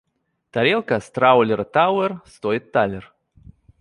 Тарелка с траулера «Тауэр» стоит талер.